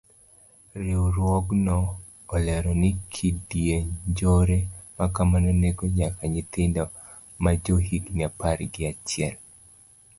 Riwruogno olero ni kidienj njore makamano nego nyaka nyithindo majo higni apar gi achiel.